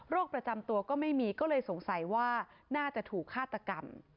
ประจำตัวก็ไม่มีก็เลยสงสัยว่าน่าจะถูกฆาตกรรม